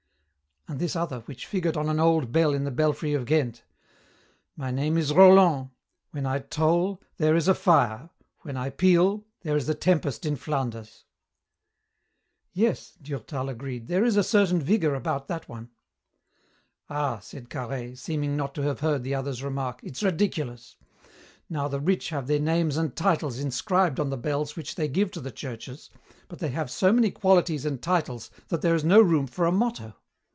And this other which figured on an old bell in the belfry of Ghent, 'My name is Roland. When I toll, there is a fire; when I peal, there is a tempest in Flanders.'" "Yes," Durtal agreed, "there is a certain vigour about that one." "Ah," said Carhaix, seeming not to have heard the other's remark, "it's ridiculous. Now the rich have their names and titles inscribed on the bells which they give to the churches, but they have so many qualities and titles that there is no room for a motto.